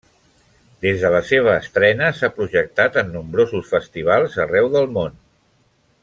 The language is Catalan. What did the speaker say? Des de la seva estrena s'ha projectat en nombrosos festivals arreu del món.